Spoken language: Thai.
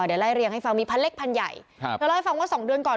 เดี๋ยวไล่เรียงให้ฟังมีพันเล็กพันใหญ่ครับเธอเล่าให้ฟังว่าสองเดือนก่อน